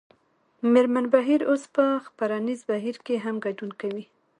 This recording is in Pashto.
مېرمن بهیر اوس په خپرنیز بهیر کې هم ګډون کوي